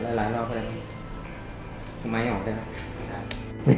ไม่ออกได้ไม่ออกได้ไม่ออกใช่ครับจ้ะคุณน้องเห็นหลากออกเลย